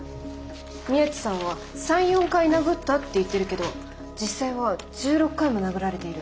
宮地さんは３４回殴ったって言ってるけど実際は１６回も殴られている。